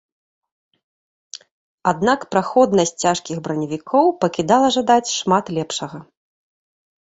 Аднак праходнасць цяжкіх браневікоў пакідала жадаць шмат лепшага.